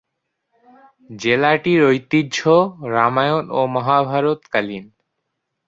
জেলাটির ঐতিহ্য রামায়ণ ও মহাভারত কালীন।